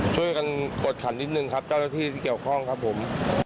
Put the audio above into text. ช่วยกันกดขันนิดนึงครับเจ้าหน้าที่ที่เกี่ยวข้องครับผม